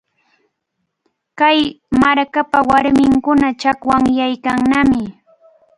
Kay markapa warminkuna chakwanyaykannami.